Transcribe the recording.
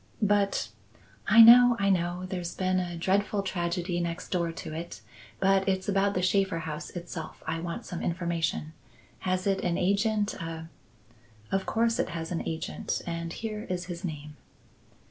"But " "I know, I know; there's been a dreadful tragedy next door to it; but it's about the Shaffer house itself I want some information. Has it an agent, a " "Of course it has an agent, and here is his name."